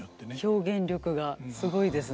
表現力がすごいですね。